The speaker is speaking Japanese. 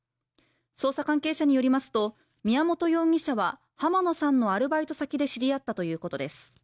捜査関係者によりますと宮本容疑者は濱野さんのアルバイト先で知り合ったということです。